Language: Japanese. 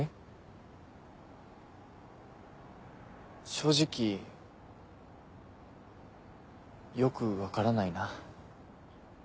正直よく分からないな。